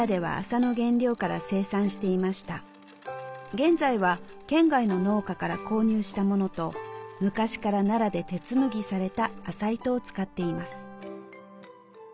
現在は県外の農家から購入したものと昔から奈良で手紡ぎされた麻糸を使っています。